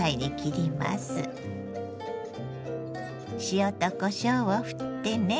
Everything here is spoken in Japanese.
塩とこしょうをふってね。